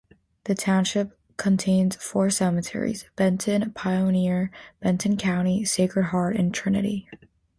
The township contains four cemeteries: Benton, Pioneer Benton County, Sacred Heart and Trinity.